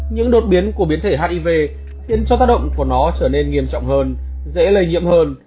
những đột biến của biến thể hiv khiến cho tác động của nó trở nên nghiêm trọng hơn dễ lây nhiễm hơn